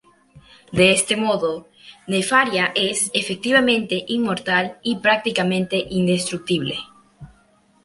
De este modo, Nefaria es, efectivamente, inmortal y prácticamente indestructible.